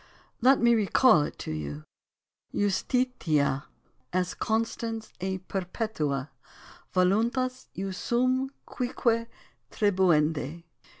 Let me recall it to you: Justitia est constans et perpetua voluntas jus suum cuique tribuendi.